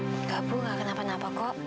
enggak bu enggak kenapa kenapa kok